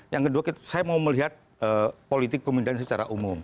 yang kedua saya mau melihat politik pemilihan secara umum